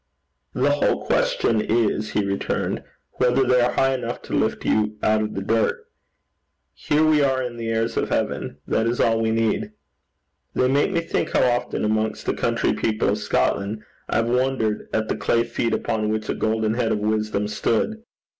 'The whole question is,' he returned, 'whether they are high enough to lift you out of the dirt. Here we are in the airs of heaven that is all we need.' 'They make me think how often, amongst the country people of Scotland, I have wondered at the clay feet upon which a golden head of wisdom stood!